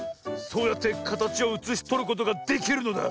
そうやってかたちをうつしとることができるのだ。